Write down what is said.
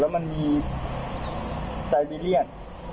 แล้วมันมีซัลบิเลียน